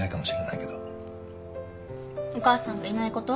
お母さんがいないこと？